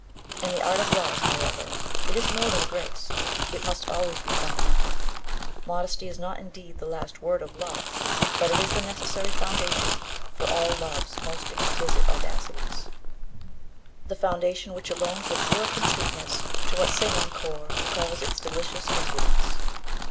In the art of love, however, it is more than a grace; it must always be fundamental. Modesty is not indeed the last word of love, but it is the necessary foundation for all love's most exquisite audacities, the foundation which alone gives worth and sweetness to what Sénancour calls its "delicious impudence."